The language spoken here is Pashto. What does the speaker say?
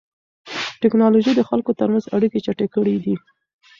تکنالوژي د خلکو ترمنځ اړیکې چټکې کړې دي.